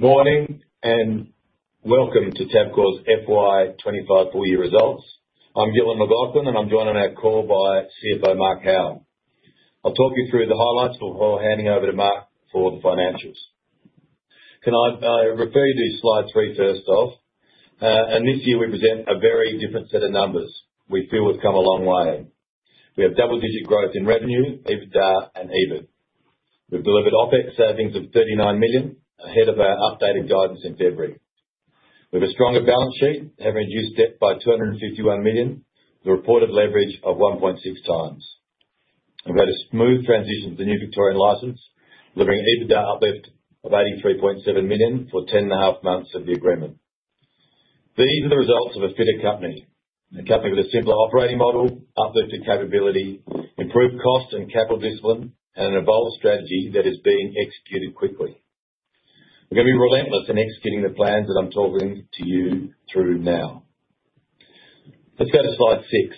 Morning and welcome to Tabcorp Holdings Limited's FY 25 Full-Year Results. I'm Gillon McLachlan and I'm joined on our call by CFO Mark Howell. I'll talk you through the highlights before handing over to Mark for the financials. Can I refer you to these slides for you first off? This year we present a very different set of numbers. We feel we've come a long way. We have double-digit growth in revenue, EBITDA, and EBIT. We've delivered offset savings of 39 million ahead of our updated guidance in February. We have a stronger balance sheet, average net debt reduced by 251 million, with a reported leverage of 1.6x. We've had a smooth transition to the new Victorian wagering licence, delivering an EBITDA uplift of 83.7 million for 10.5 months of the agreement. For these, the results of a fitter company. A company with a simpler operating model, uplifted capability, improved cost and capital discipline, and an evolved strategy that is being executed quickly. We're going to be relentless in executing the plans that I'm talking to you through now. Let's go to slide six.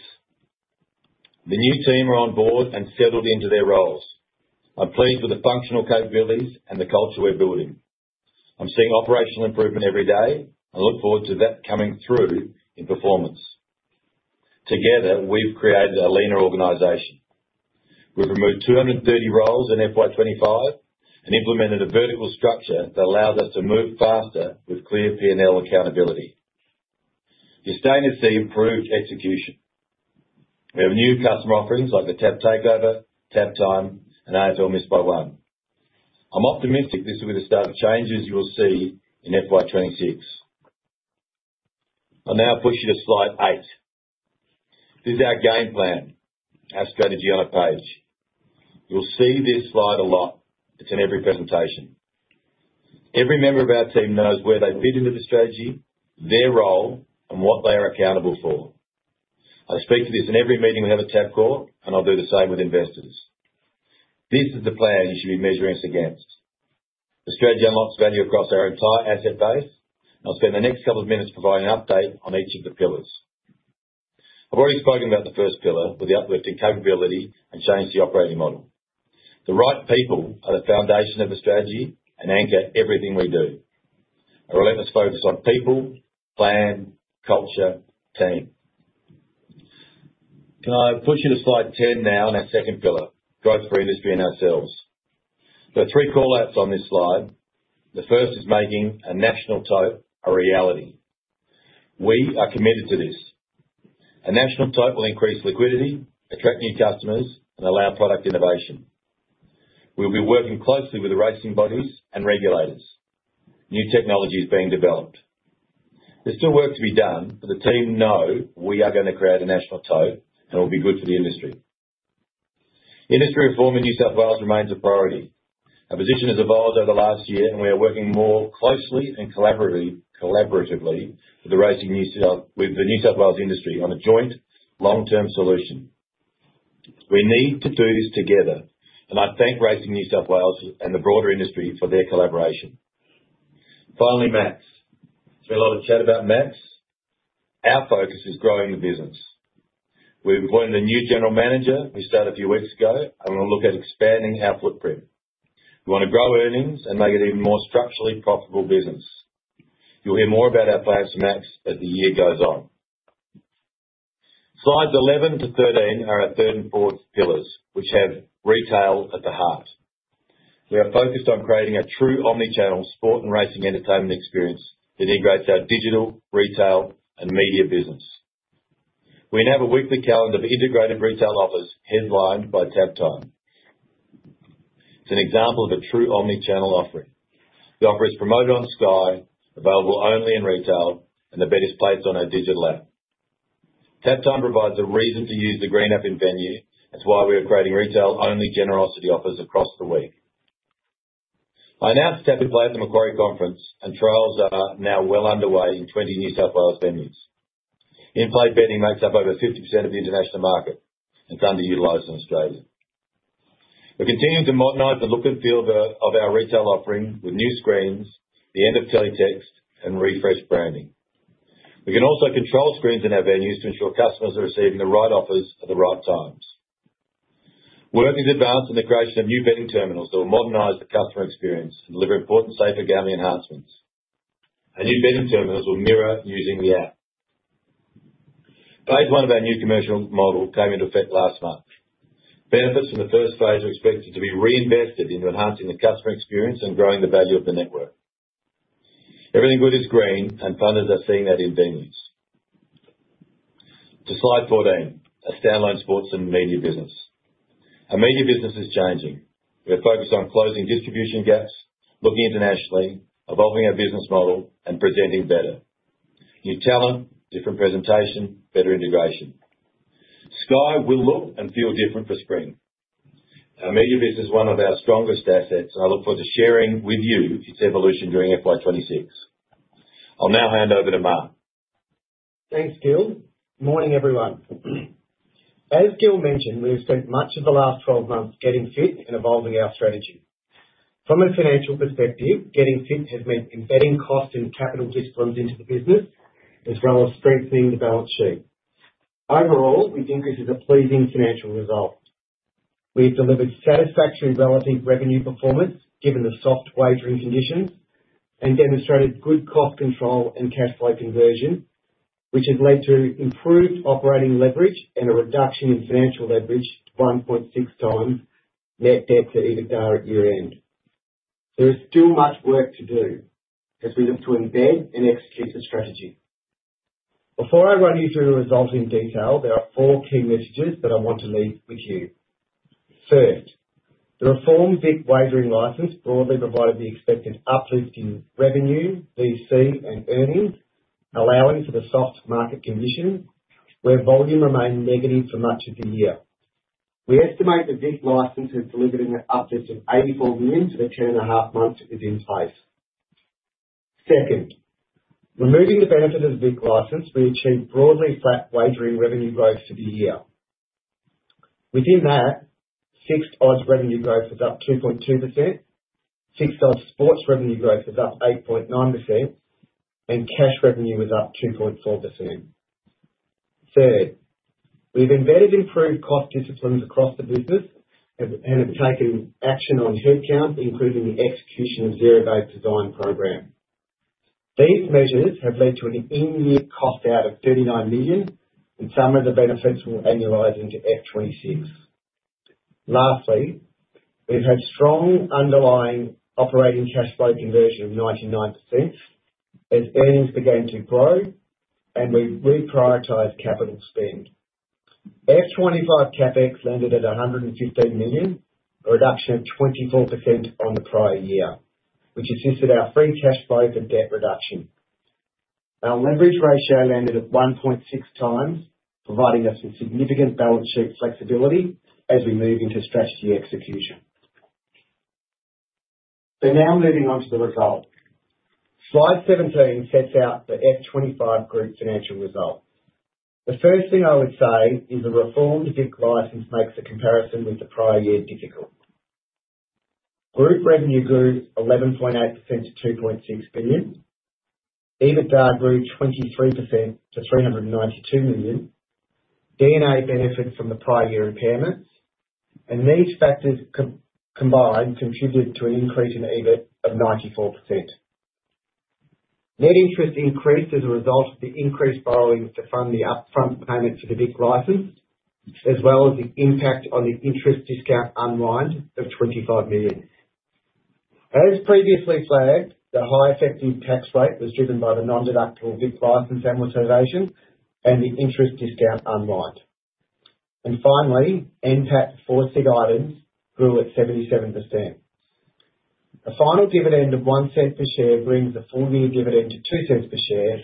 The new team are on board and settled into their roles. I'm pleased with the functional capabilities and the culture we're building. I'm seeing operational improvement every day. I look forward to that coming through in performance. Together, we've created a leaner organization. We've removed 230 roles in FY 25 and implemented a vertical structure that allows us to move faster with clear P&L accountability. This is dangerously improved execution. We have new customer offerings like the TAP Takeover, TAP Time, and AFL Missed By One. I'm optimistic this will be the start of changes you will see in FY 26. I'll now push you to slide eight. This is our game plan, our strategy on a page. You'll see this slide a lot. It's in every presentation. Every member of our team knows where they fit into the strategy, their role, and what they are accountable for. I speak to this in every meeting we have at Tabcorp Holdings Limited, and I'll do the same with investors. This is the plan you should be measuring us against. The strategy unlocks value across various high asset bases. I'll spend the next couple of minutes providing an update on each of the pillars. I've already spoken about the first pillar with the uplifting capability and change to the operating model. The right people are the foundation of the strategy and anchor everything we do. A relentless focus on people, plan, culture, team. Can I push you to slide ten now on our second pillar, growth for industry and ourselves? There are three call-outs on this slide. The first is making a national TOTE a reality. We are committed to this. A national TOTE will increase liquidity, attract new customers, and allow product innovation. We'll be working closely with the racing bodies and regulators. New technology is being developed. There's still work to be done, but the team knows we are going to create a national TOTE and it will be good for the industry. Industry reform in New South Wales remains a priority. Our position has evolved over the last year, and we are working more closely and collaboratively with the New South Wales industry on a joint long-term solution. We need to do this together, and I thank Racing New South Wales and the broader industry for their collaboration. Finally, MAPs. There's been a lot of chat about MAPs. Our focus is growing the business. We've appointed a new General Manager who started a few weeks ago, and we'll look at expanding our footprint. We want to grow earnings and make it an even more structurally profitable business. You'll hear more about our plans for MAPs as the year goes on. Slides 11 to 13 are our third and fourth pillars, which have retail at the heart. We are focused on creating a true omnichannel sport and racing entertainment experience that integrates our digital, retail, and media business. We now have a weekly calendar of integrated retail offers headlined by TAP Time. It's an example of a true omnichannel offering. The offer is promoted on Sky, available only in retail, and the bet is placed on our digital app. TAP Time provides a reason to use the green app in venue, as we are creating retail-only generosity offers across the week. I announced TAP Takeover at the Macquarie Conference, and trials are now well underway in 20 New South Wales venues. In-play betting makes up over 50% of the international market. It's underutilized in Australia. We're continuing to modernize the look and feel of our retail offering with new screens, the end of teletext, and refreshed branding. We can also control screens in our venues to ensure customers are receiving the right offers at the right times. Work is advanced in the creation of new betting terminals that will modernize the customer experience and deliver important safer gambling enhancements. Our new betting terminals will mirror using the app. Phase one of our new commercial model came into effect last month. Benefits in the first phase were expected to be reinvested into enhancing the customer experience and growing the value of the network. Everything good is green, and funders are seeing that in venue. To slide 14, our standalone sports and media business. Our media business is changing. We are focused on closing distribution gaps, looking internationally, evolving our business model, and projecting better. New challenge, different presentation, better integration. We will look and feel different for spring. Our media business is one of our strongest assets, and I look forward to sharing with you its evolution during FY 26. I'll now hand over to Mark. Thanks, Gill. Morning everyone. As Gill mentioned, we have spent much of the last 12 months getting fit and evolving our strategy. From a financial perspective, getting fit has meant embedding cost and capital disciplines into the business, as well as strengthening the balance sheet. Overall, we think this is a pleasing financial result. We've delivered satisfactory and relative revenue performance given the soft wagering conditions and demonstrated good cost control and cash flow conversion, which has led to improved operating leverage and a reduction in financial leverage, 1.6x net debt to EBITDA at year-end. There is still much work to do as we look to embed the next Chief of Strategy. Before I run you through the results in detail, there are four key messages that I want to leave with you. First, the reform-fit wagering licence broadly provided the expected uplift in revenue, VC, and earnings, allowing for the soft market conditions where volume remained negative for much of the year. We estimate that this licence has delivered an uplift of 84 million for the 10.5 months it's in place. Second, removing the benefit of this licence, we achieved broadly flat wagering revenue growth for the year. Within that, SIFTOS revenue growth was up 2.2%, SIFTOS sports revenue growth was up 8.9%, and cash revenue was up 2.4%. Third, we've embedded improved cost disciplines across the business and have taken action on headcount, improving the execution of zero-day design program. These measures have led to an in-year cost out of AUD 39 million and some of the benefits from annualizing to F3Cs. Lastly, we've had strong underlying operating cash flow conversion of 99%, and earnings began to grow, and we've reprioritized capital spend. FY 25 CapEx landed at 115 million, a reduction of 24% on the prior year, which assisted our free cash flows and debt reduction. Our leverage ratio landed at 1.6x, providing us with significant balance sheet flexibility as we move into strategy execution. Now moving on to the result. Slide 17 sets out the FY 25 group financial result. The first thing I would say is the reform-fit licence makes a comparison with the prior year difficult. Group revenue grew 11.8% to 2.6 billion. EBITDA grew 23% to 392 million. D&A benefits from the prior year impairments, and these factors combined contributed to an increase in EBIT of 94%. Net interest increased as a result of the increased borrowing to fund the upfront payments of the BIC licence, as well as the impact on the interest discount unwind of 25 million. As previously flagged, the high effective tax rate was driven by the non-deductible BIC licence amortization and the interest discount unwind. Finally, NPAC forfeit items grew at 77%. A final dividend of 0.01 per share brings the full-year dividend to 0.02 per share,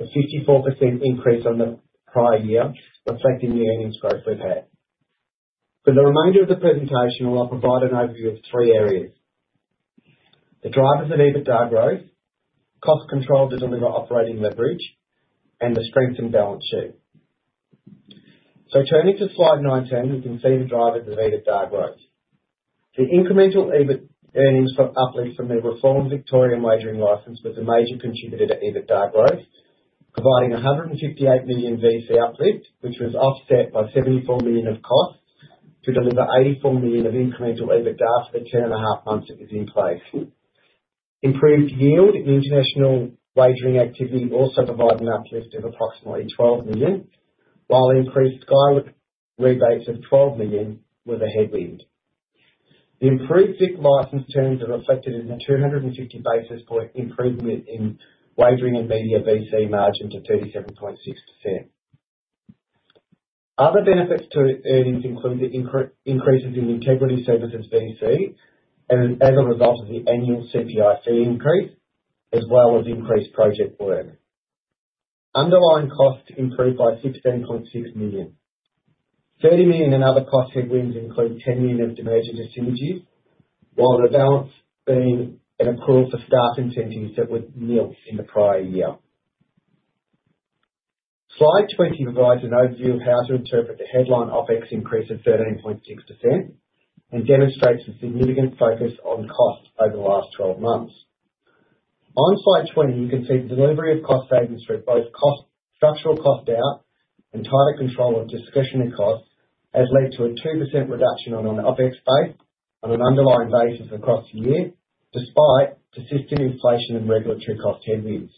a 54% increase on the prior year, reflecting the earnings growth we've had. For the remainder of the presentation, I'll provide an overview of three areas: the drivers of EBITDA growth, cost control to deliver operating leverage, and the strengthened balance sheet. Turning to slide 19, we can see the drivers of EBITDA growth. The incremental EBIT earnings uplift from the reformed Victorian wagering licence was the major contributor to EBITDA growth, providing 158 million VC uplift, which was offset by 74 million of cost to deliver 84 million of incremental EBITDA for the 10.5 months it was in place. Improved yield in international wagering activity also provided an uplift of approximately 12 million, while increased Sky rebates of 12 million were the headwind. The improved BIC licence terms are reflected in the 250 basis point improvement in wagering and media VC margin to 37.6%. Other benefits to earnings included increases in recovery services VC as a result of the annual CPI increase, as well as increased project work. Underlying costs improved by 16.6 million. 30 million in other cost headwinds include 10 million of demanding facilities, with the balance being an accrual for staff incentives that was nil in the prior year. Slide 20 provides an overview of how to interpret the headline OpEx increase of 13.6% and demonstrates a significant focus on cost over the last 12 months. On slide 20, you can see the delivery of cost savings for both structural cost out and tighter control of discretionary costs has led to a 2% reduction on an OpEx base on an underlying basis across the year, despite persistent inflation and regulatory cost headwinds.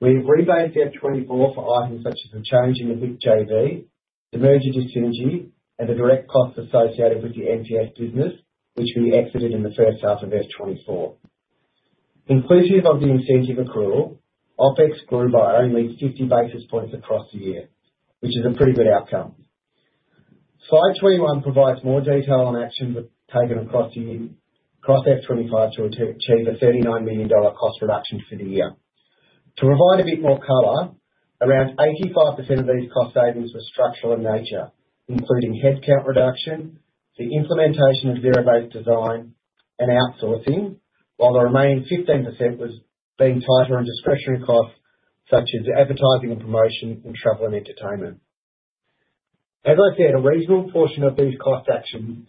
We've rebased FY 24 for items such as the changing of BIC JV, the merger to Synergy, and the direct costs associated with the MGS business, which we exited in the first half of FY 24. With the conclusion of the incentive accrual, OpEx grew by only 50 basis points across the year, which is a pretty good outcome. Slide 21 provides more detail on actions taken across FY25 to achieve a AUD39 million cost reduction for the year. To provide a bit more color, around 85% of these cost savings were structural in nature, including headcount reduction, the implementation of zero-based design, and outsourcing, while the remaining 15% was being tighter on discretionary costs such as advertising and promotion in travel and entertainment. As I said, a reasonable portion of these cost actions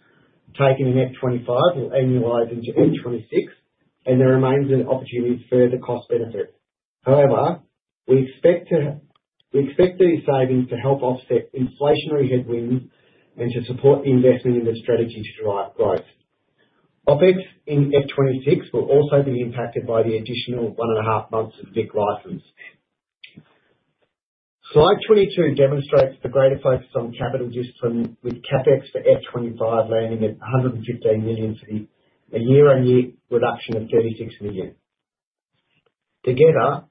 were taken in FY 25 and annualized into FY 26, and there remains an opportunity for further cost benefit. However, we expect these savings to help offset inflationary headwinds and to support investment in the strategy to drive growth. OpEx in FY 26 will also be impacted by the additional one and a half months of the BIC license. Slide 22 demonstrates the greater focus on capital discipline with CapEx for FY 25 landing at AUD 115 million for a year-on-year reduction of AUD 36 million. Together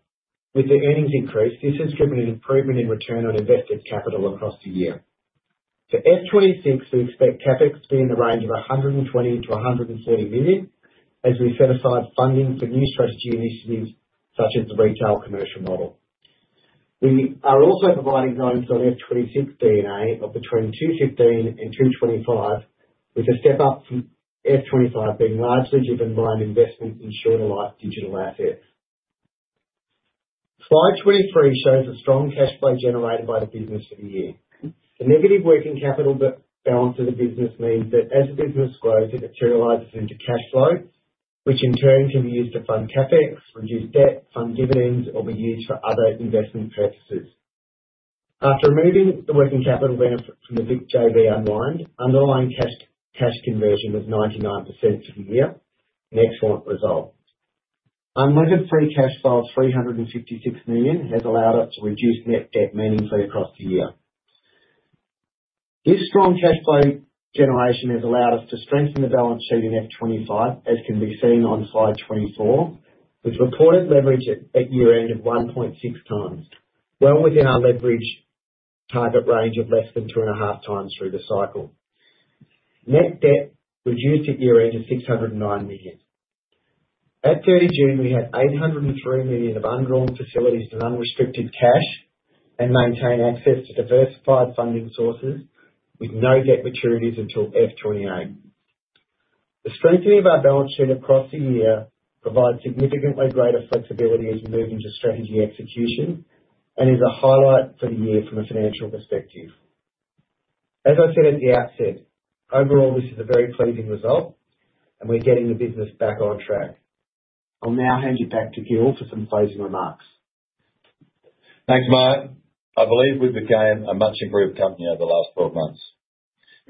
with the earnings increase, this has driven an improvement in return on invested capital across the year. For FY 26, we expect CapEx to be in the range of 120 to 130 million as we set aside funding for new strategy initiatives such as the retail commercial model. We are also providing notice on FY 26 D&A of between 215 and 225 million, with a step up from FY 25 being largely driven by an investment in shorter life digital assets. Slide 23 shows a strong cash flow generated by the business for the year. A negative working capital balance of the business means that as the business grows, it materializes into cash flow, which in turn can be used to fund CapEx, reduce debt, fund dividends, or be used for other investment purposes. After moving the working capital left and the BIC JV unwind, underlying cash conversion was 99% for the year, an excellent result. Unlimited free cash flow of 356 million has allowed us to reduce net debt meaningfully across the year. This strong cash flow generation has allowed us to strengthen the balance sheet in FY 25, as can be seen on slide 24, with reported leverage at year-end of 1.6x, well within our leverage target range of less than 2.5x through the cycle. Net debt reduced at year-end to 609 million. At 30 June, we had 803 million of undrawn facilities and unrestricted cash and maintained access to diversified funding sources with no debt maturities until FY 28. The strengthening of our balance sheet across the year provides significantly greater flexibility as we move into strategy execution and is a highlight for the year from a financial perspective. As I said at the outset, overall this is a very pleasing result and we're getting the business back on track. I'll now hand you back to Gill for some closing remarks. Thanks, Mark. I believe we've become a much improved company over the last 12 months.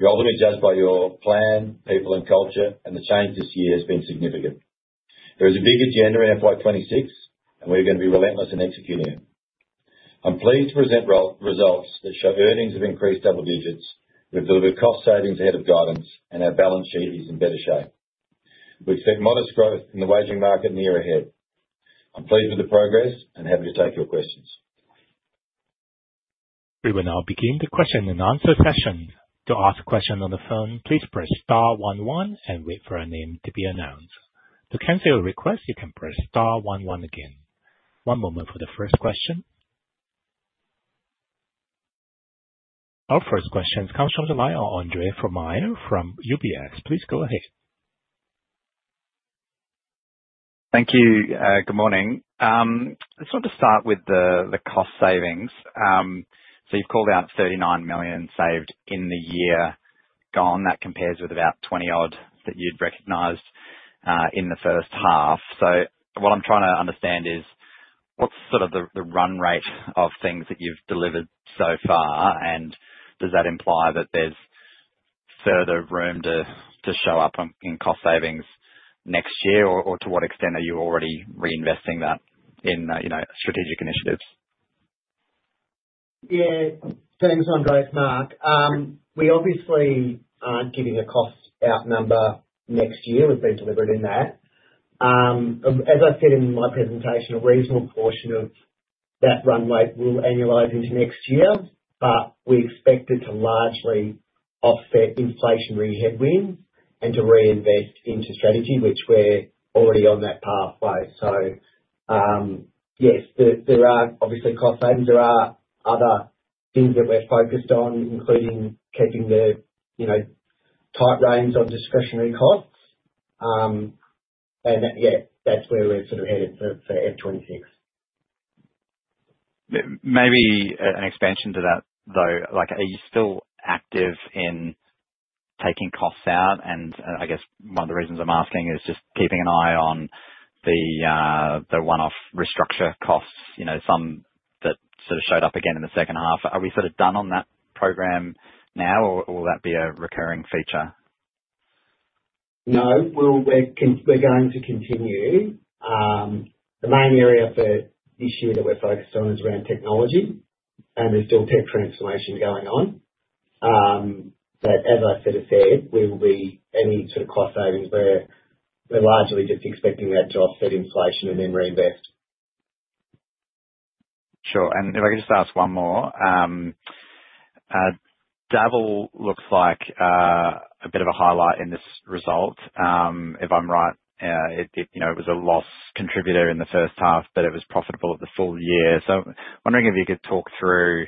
We're already judged by our plan, people, and culture, and the change this year has been significant. There is a big agenda in FY 26 and we're going to be relentless in executing. I'm pleased to present results that show earnings have increased double digits. We've delivered cost savings ahead of guidance, and our balance sheet is in better shape. We've seen modest growth in the wagering market in the year ahead. I'm pleased with the progress and happy to take your questions. We will now begin the question and answer session. To ask questions on the phone, please press star 11 and wait for a name to be announced. To cancel your request, you can press star 11 again. One moment for the first question. Our first question comes from the line of Andre Fromyhr from UBS. Please go ahead. Thank you. Good morning. I just want to start with the cost savings. You've called out 39 million saved in the year gone. That compares with about 20 million that you'd recognized in the first half. What I'm trying to understand is what's the run rate of things that you've delivered so far, and does that imply that there's further room to show up in cost savings next year, or to what extent are you already reinvesting that in strategic initiatives? Yeah, thanks, Andre, it's Mark. We obviously aren't giving a cost out number next year. We've been delivered in that. As I said in my presentation, a reasonable portion of that run rate will be annualized into next year, but we expect it to largely offset inflationary headwinds and to reinvest into strategy, which we're already on that pathway. Yes, there are obviously cost savings. There are other things that we're focused on, including catching the tight reins on discretionary costs. That's where we're sort of headed for FY 26. Maybe an expansion to that though, like are you still active in taking costs out? I guess one of the reasons I'm asking is just keeping an eye on the one-off restructure costs, you know, some that sort of showed up again in the second half. Are we sort of done on that program now or will that be a recurring feature? No, we're going to continue. The main area for this year that we're focused on is around technology. There's still temporary installation going on. As I sort of said, any sort of cost savings, we're largely just expecting that to offset inflation and then reinvest. Sure. If I could just ask one more, Dabble looks like a bit of a highlight in this result. If I'm right, it was a loss contributor in the first half, but it was profitable over the full year. I'm wondering if you could talk through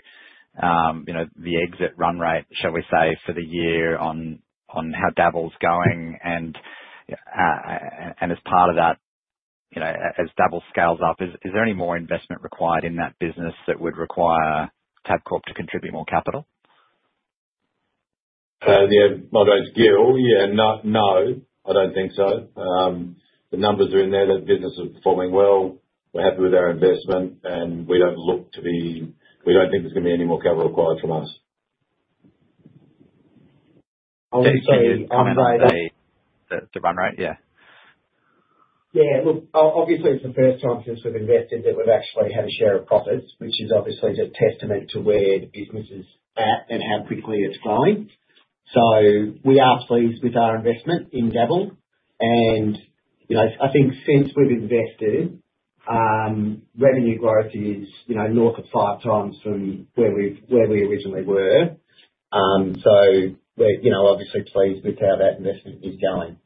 the exit run rate, shall we say, for the year on how Dabble's going? As part of that, as Dabble scales up, is there any more investment required in that business that would require Tabcorp to contribute more capital? My name's Gill. No, I don't think so. The numbers are in there, that business is performing well. We're happy with our investment and we don't think there's going to be any more capital required from us. Obviously, the run rate. Yeah, look, obviously it's the first time since we've invested that we've actually had a share of profits, which is obviously just testament to where the business is at and how quickly it's growing. We are pleased with our investment in Dabble. You know, I think since we've invested, revenue growth is, you know, north of five times from where we originally were. We're, you know, obviously pleased with how that investment is going.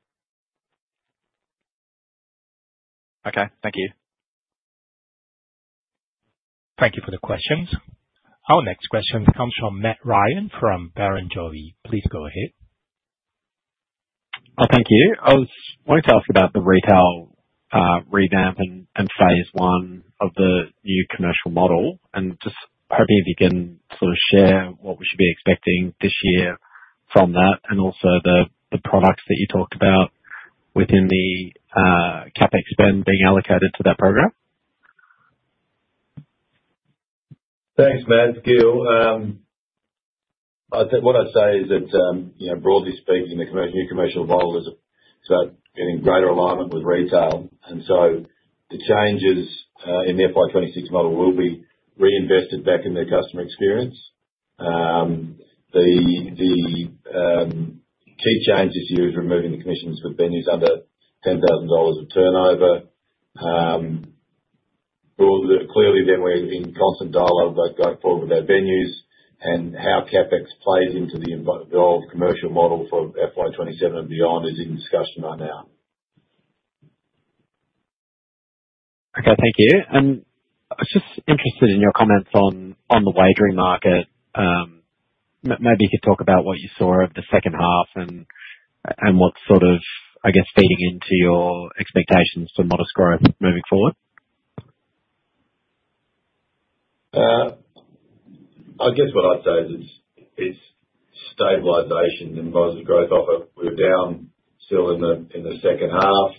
Okay, thank you. Thank you for the questions. Our next question comes from Matt Ryan from Barrenjoey. Please go ahead. Thank you. I was wanting to ask about the retail revamp and phase one of the new commercial model, and just hoping if you can sort of share what we should be expecting this year from that, and also the products that you talked about within the CapEx spend being allocated to that program? Thanks, Lance. It's Gill, I think what I'd say is it's, you know, broadly speaking, the new commercial model is about getting greater alignment with retail. The changes in the FY 26 model will be reinvested back in the customer experience. The key change this year is removing the commissions for venues under 10,000 dollars of turnover. Clearly, we're in constant dialogue with FY 26 about venues and how CapEx plays into the overall commercial model for FY 27 and beyond is in discussion right now. Thank you. I was just interested in your comments on the wagering market. Maybe you could talk about what you saw of the second half and what's sort of, I guess, feeding into your expectations for modest growth moving forward? I guess what I'd say is it's stabilisation in both the growth of it. We're down still in the second half.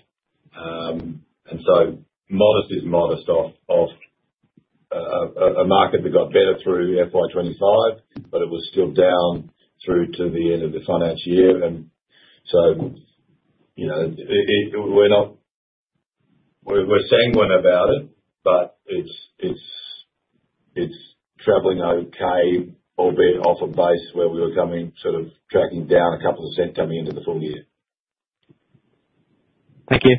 Modest is modest of a market that got better through FY 25, but it was still down through to the end of the financial year. We're not, we're staying bottom about it, but it's travelling okay or a bit off of base where we were coming, sort of tracking down a couple of dollars coming into the full year. Thank you.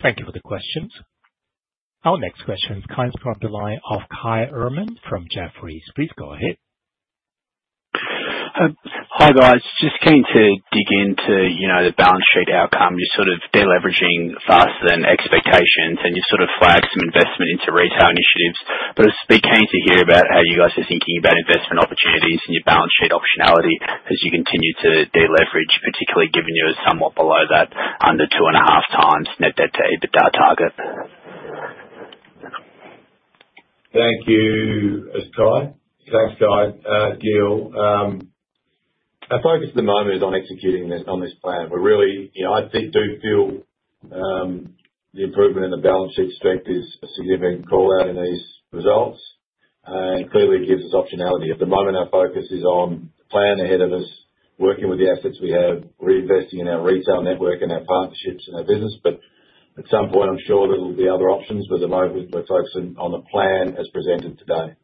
Thank you for the questions. Our next question comes from the line of Kai Erman from Jefferies. Please go ahead. Hey guys, just keen to dig into the balance sheet outcome. You're sort of deleveraging faster than expectations, and you sort of flagged some investment into retail initiatives. I'd be keen to hear about how you guys are thinking about investment opportunities and your balance sheet optionality as you continue to deleverage, particularly given you're somewhat below that under 2.5x net debt to EBITDA target. Thank you, it's Sky. Thanks, Kai. It's Gill. Our focus at the moment is on executing on this plan. I do feel the improvement in the balance sheet strict is a significant call out in these results. It clearly gives us optionality. At the moment, our focus is on the plan ahead of us, working with the assets we have, reinvesting in our retail network and our partnerships and our business. At some point, I'm sure there will be other options. At the moment, we're focusing on the plan as presented today.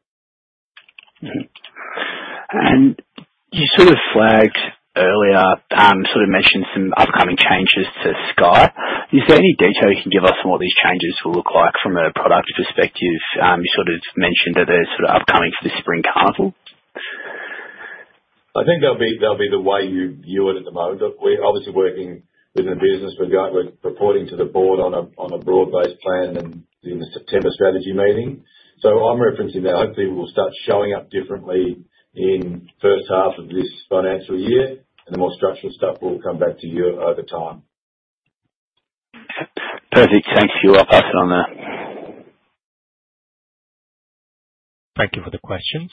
You mentioned some upcoming changes to Sky. Is there any detail you can give us on what these changes will look like from a product perspective? You mentioned that they're upcoming for the spring carnival. I think that'll be the way you view it at the moment. We're obviously working within business. We're reporting to the board on a broad-based plan and in the September strategy meeting. I'm referencing that hopefully we'll start showing up differently in the first half of this financial year. The more structured stuff will come back to you over time. Perfect. Thank you. I'll pass it on there. Thank you for the questions.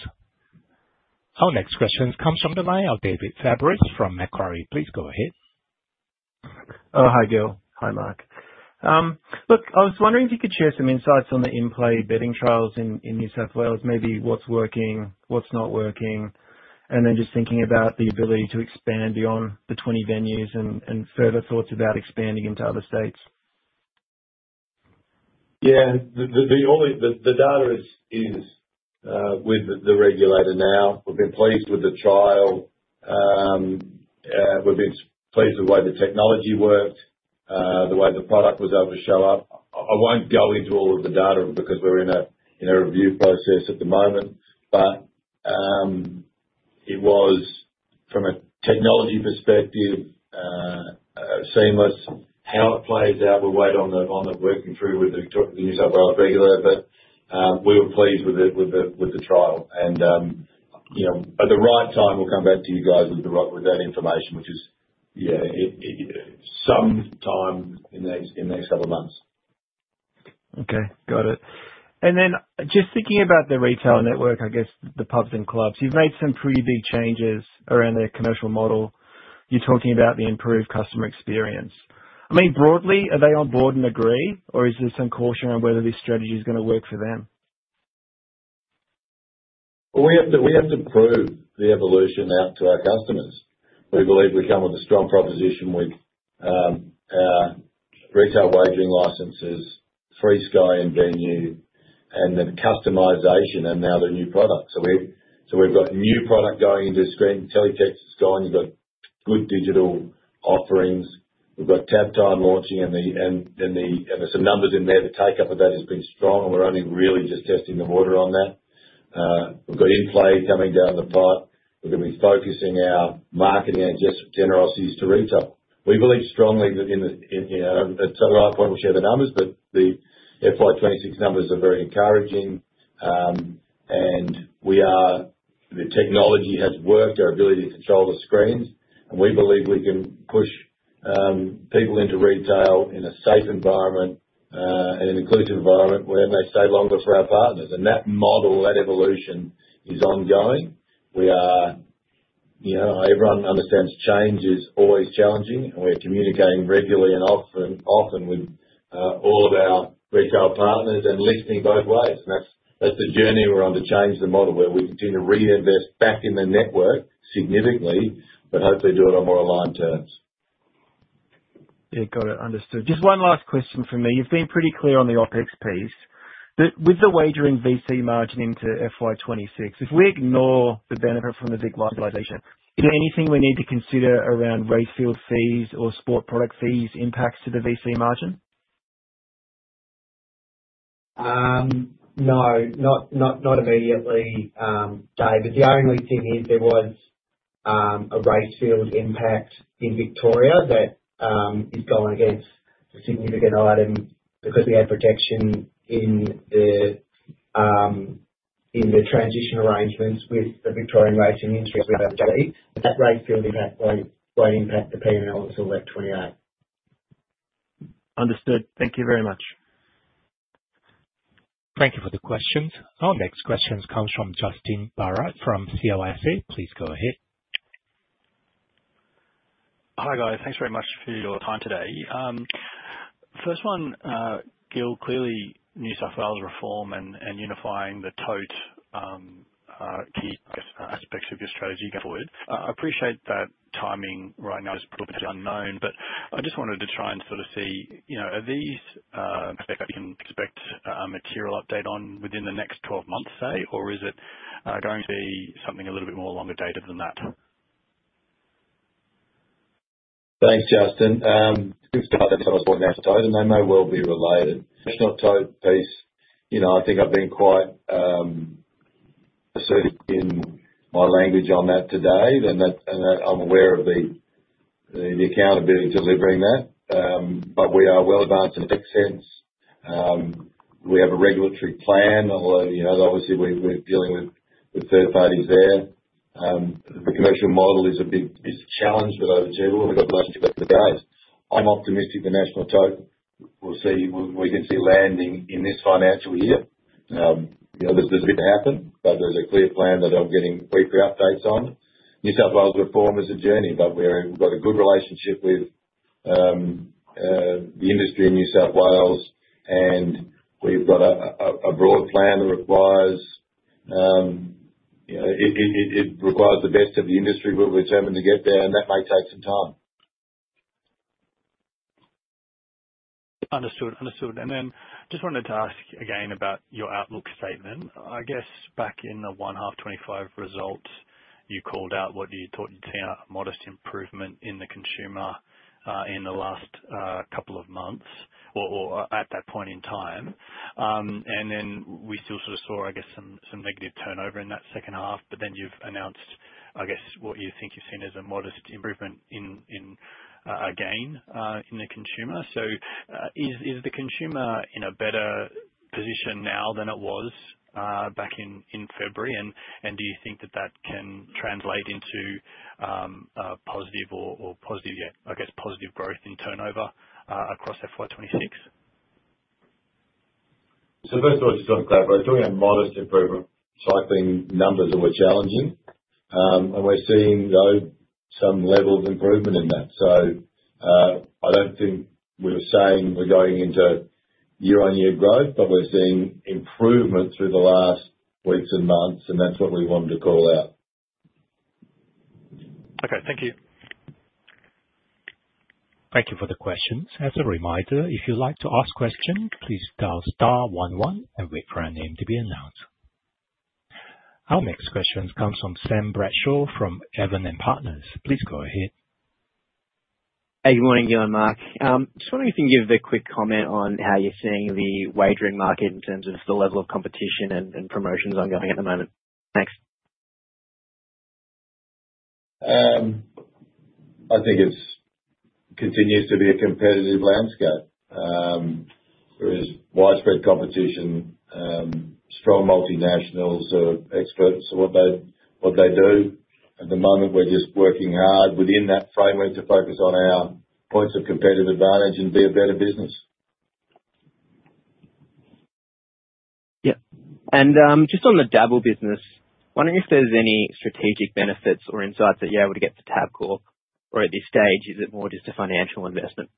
Our next question comes from the line of David Fabris from Macquarie. Please go ahead. Oh, hi Gill. Hi Mark. I was wondering if you could share some insights on the in-play betting trials in New South Wales, maybe what's working, what's not working, and just thinking about the ability to expand beyond the 20 venues and further thoughts about expanding into other states. Yeah, the data is with the regulator now. We've been pleased with the trial. We've been pleased with the way the technology worked, the way the product was able to show up. I won't go into all of the data because we're in a review process at the moment. It was, from a technology perspective, seamless. How it plays out, we'll wait on the working through with the New South Wales regulator. We were pleased with the trial. At the right time, we'll come back to you guys with the right regarding information, which is, yeah, some time in the next couple of months. Okay, got it. Just thinking about the retail network, I guess the pubs and clubs, you've made some pretty big changes around their commercial model. You're talking about the improved customer experience. I mean, broadly, are they on board and agree, or is there some caution around whether this strategy is going to work for them? We have to prove the evolution out to our customers. We believe we come with a strong proposition with retail wagering licenses, free Sky in venue, and the customization and now the new product. We've got new product going into spend, TOTE is strong. You've got good digital offerings. We've got TAP Time launching, and the numbers in there, the take-up of that has been strong, and we're only really just testing the water on that. We've got in-play coming down the pipe. We're going to be focusing our marketing and just generosities to retail. We believe strongly that at some point we'll share the numbers, but the FY 26 numbers are very encouraging. The technology has worked, our ability to control the screens. We believe we can push people into retail in a safe environment and an inclusive environment where they stay longer for our partners. That model, that evolution is ongoing. Everyone understands change is always challenging, and we're communicating regularly and often with all of our retail partners and listening both ways. That's the journey we're on to change the model where we can reinvest back in the network significantly, but hopefully do it on more aligned terms. Yeah, got it. Understood. Just one last question from me. You've been pretty clear on the OpEx piece. With the wagering VC margin into FY 2026, if we ignore the benefit from the big globalisation, is there anything we need to consider around race field fees or sport product fees impacts to the VC margin? No, not immediately, David. The only thing is there was a race field impact in Victoria that is going against a significant item because we had protection in the transition arrangements with the Victorian racing industry for about AUD 30 million. That race field impact won't impact the P&L until FY 28. Understood. Thank you very much. Thank you for the questions. Our next question comes from Justin Barratt from CLSE. Please go ahead. Hi guys, thanks very much for your time today. First one, Gill, clearly New South Wales reform and unifying the TOTE are key aspects of your strategy forward. I appreciate that timing right now is a little bit unknown, but I just wanted to try and sort of see, you know, are these aspects that you can expect a material update on within the next 12 months, or is it going to be something a little bit more longer dated than that? Thanks, Justin. It's part of the product board now, I suppose, and they may well be related. The New South Wales piece, you know, I think I've been quite assertive in my language on that today and that I'm aware of the accountability delivering that. We are well advanced in a big sense. We have a regulatory plan. You know, obviously, we're dealing with third parties there. The commercial model is a big challenge for those of you who have left at the base. I'm optimistic the national TOTE will see we'll eventually land in this financial year. There's a bit to happen, but there's a clear plan that I'm getting weekly updates on. New South Wales reform is a journey, but we've got a good relationship with the industry of New South Wales and we've got a broad plan that requires, you know, it requires the best of the industry. We're determined to get there and that may take some time. Understood. I just wanted to ask again about your outlook statement. Back in the first half FY 25 results, you called out what you thought you'd seen as a modest improvement in the consumer in the last couple of months at that point in time. We still saw some negative turnover in that second half. You've announced what you think you've seen as a modest improvement again in the consumer. Is the consumer in a better position now than it was back in February? Do you think that can translate into positive growth in turnover across FY 26? First of all, just on the TOTE, we're doing a modest improvement. I think numbers are more challenging, and we're seeing though some level of improvement in that. I don't think we're saying we're going into year-on-year growth, but we're seeing improvement through the last weeks and months, and that's what we wanted to call out. Okay, thank you. Thank you for the questions. As a reminder, if you'd like to ask questions, please dial *11 and wait for a name to be announced. Our next question comes from Sam Bradshaw from Evans & Partners. Please go ahead. Hey, good morning, Gill and Mark. I just wonder if you can give a quick comment on how you're seeing the wagering market in terms of the level of competition and promotions ongoing at the moment. Thanks. I think it continues to be a competitive landscape with widespread competition, strong multinationals who are experts at what they do. At the moment, we're just working hard within that framework to focus on our points of competitive advantage and be a better business. Yep. Just on the Dabble business, I wonder if there's any strategic benefits or insights that you're able to get to Tabcorp, or at this stage, is it more just a financial investment?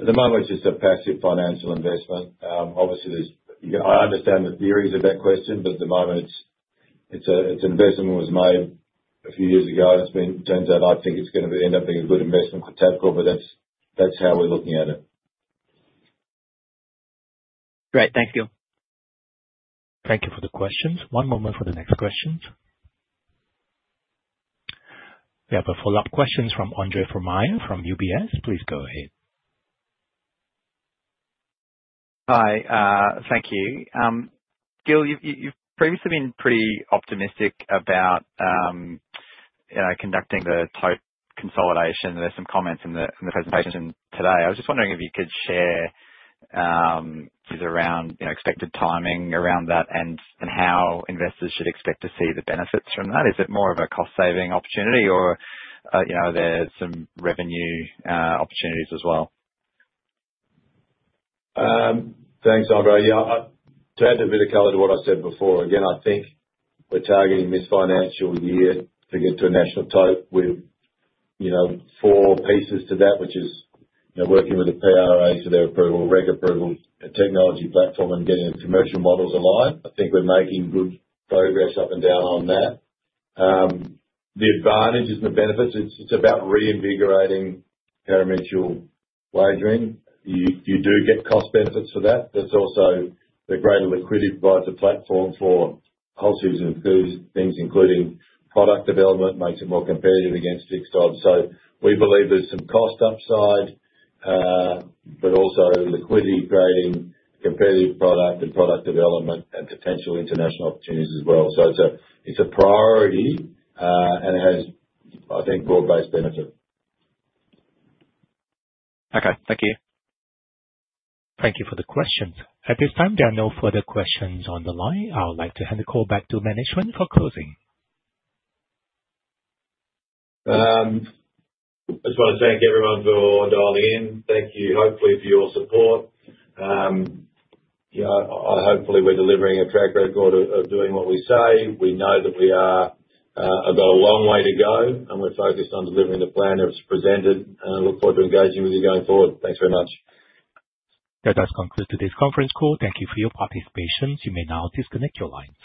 At the moment, it's just a passive financial investment. Obviously, I understand the theories of that question, but at the moment, it's an investment that was made a few years ago. It's been turned out, I think it's going to end up being a good investment for Tabcorp, but that's how we're looking at it. Great. Thank you. Thank you for the questions. One moment for the next questions. We have a follow-up question from Andre Fromyhr from UBS. Please go ahead. Hi, thank you. Gillon, you've previously been pretty optimistic about conducting the TOTE consolidation. There are some comments in the presentations today. I was just wondering if you could share around expected timing around that and how investors should expect to see the benefits from that. Is it more of a cost-saving opportunity or are there some revenue opportunities as well? Thanks, Andrea. To add a bit of color to what I said before, I think we're targeting this financial year to get to a national TOTE with four pieces to that, which is working with the PRAs for their approval, regulatory approval, technology platform, and getting the commercial models aligned. I think we're making good progress up and down on that. The advantages and the benefits, it's about reinvigorating parimutuel wagering. You do get cost benefits for that. Also, the greater liquidity provides a platform for a whole season of pools, things including product development, makes it more competitive against fixed products. We believe there's some cost upside, but also liquidity creating competitive product and product development and potential international opportunities as well. It's a priority and I think broad-based benefit. Okay, thank you. Thank you for the questions. At this time, there are no further questions on the line. I would like to hand the call back to management for closing. I just want to thank everyone for dialing in. Thank you, hopefully, for your support. Hopefully we're delivering a track record of doing what we say. We know that we have a long way to go, and we're focused on delivering the plan that was presented. I look forward to engaging with you going forward. Thanks very much. That does conclude today's conference call. Thank you for your participation. You may now disconnect your lines.